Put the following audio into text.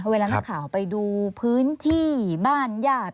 เวลานักข่าวไปดูพื้นที่บ้านญาติ